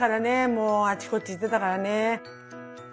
もうあっちこっち行ってたからね。